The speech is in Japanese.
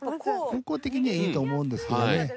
方向的にはいいと思うんですけどね